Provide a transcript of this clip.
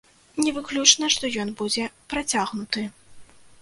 Не выключана, што ён будзе працягнуты.